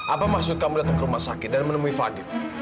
apa maksud kamu datang ke rumah sakit dan menemui fadil